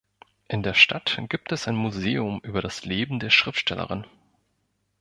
In der Stadt gibt es ein Museum über das Leben der Schriftstellerin.